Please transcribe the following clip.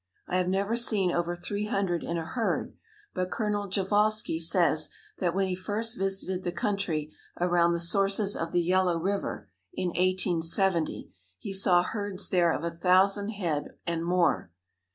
I have never seen over 300 in a herd, but Col. Prjevalsky says that when he first visited the country around the sources of the Yellow River, in 1870, he saw herds there of a thousand head and more.